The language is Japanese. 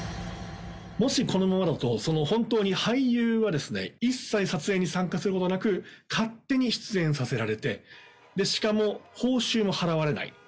もしこのままだと、本当に俳優は一切撮影に参加することなく、勝手に出演させられて、しかも報酬も払われない。